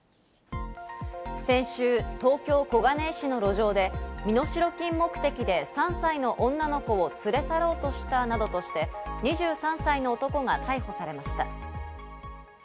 先週、東京・小金井市の路上で、身代金目的で３歳の女の子を連れ去ろうとしたなどとして、２３歳の男が逮捕されました。